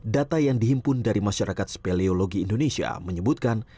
data yang dihimpun dari masyarakat speleologi indonesia menyebutkan